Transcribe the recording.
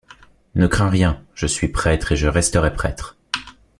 Ne crains rien, je suis prêtre et je resterai prêtre.